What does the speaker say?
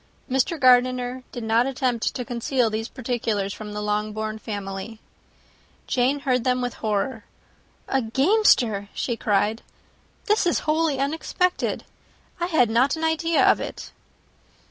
Mr. Gardiner did not attempt to conceal these particulars from the Longbourn family; Jane heard them with horror. "A gamester!" she cried. "This is wholly unexpected; I had not an idea of it."